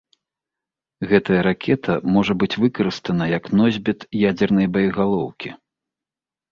Гэтая ракета можа быць выкарыстана як носьбіт ядзернай боегалоўкі.